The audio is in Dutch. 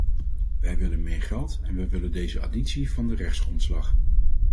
Wij willen meer geld en wij willen deze additie van de rechtsgrondslag.